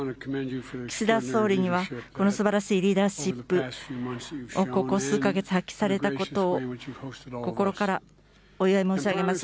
岸田総理には、この素晴らしいリーダーシップをここ数か月発揮されたことを、心からお祝い申し上げます。